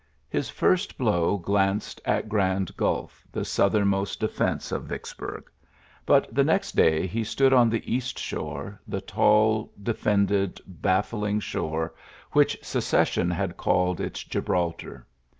His first blow glanced at Grand Gul^ tlie southernmost defence of Vicks burg ; but the next day he stood on the east shore; the tall, defended, baffling shore which Secession had called its Gibraltar.